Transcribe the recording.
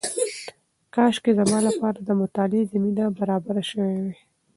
کاشکې زما لپاره د مطالعې زمینه برابره شوې وای.